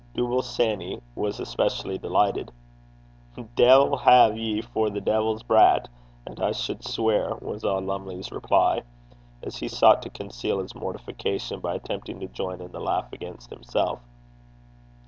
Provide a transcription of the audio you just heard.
Dooble Sanny was especially delighted. 'De'il hae ye for a de'il's brat! 'At I suld sweer!' was all Lumley's reply, as he sought to conceal his mortification by attempting to join in the laugh against himself.